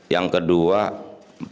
yang kedua pengendalian